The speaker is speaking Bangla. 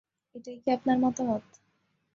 এটাই কী আপনার মতামত?